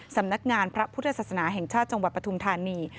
สำนักงานพระพุทธศาสนาแห่งชาติจังหวัดปฐุมธานี